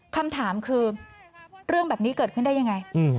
คำถามคือเรื่องแบบนี้เกิดขึ้นได้ยังไง